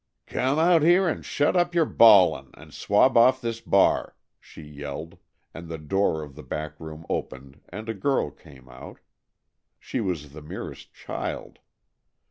"Come out here, and shut up your bawlin', and swab off this bar," she yelled, and the door of the back room opened and a girl came out. She was the merest child.